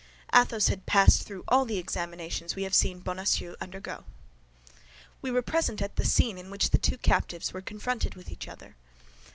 Athos had passed through all the examinations we have seen Bonacieux undergo. We were present at the scene in which the two captives were confronted with each other.